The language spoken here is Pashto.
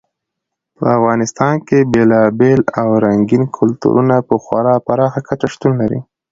په افغانستان کې بېلابېل او رنګین کلتورونه په خورا پراخه کچه شتون لري.